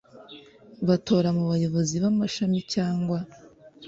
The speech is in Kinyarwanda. batora mu bayobozi b amashami cyangwa